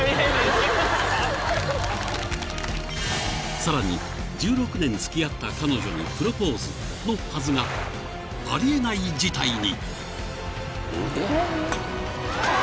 ［さらに１６年付き合った彼女にプロポーズのはずがありえない事態に！］